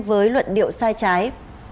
với luận điệu sai trái